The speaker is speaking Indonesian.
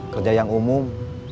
kerja yang umum